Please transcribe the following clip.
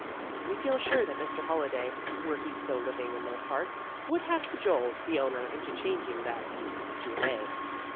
We feel sure that Mr. Holliday, were he still living in those parts, would have cajoled the owner into changing that E to an A.